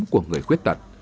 của người khuyết tật